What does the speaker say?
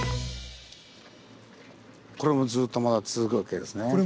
これもずっとまだ続くわけですね。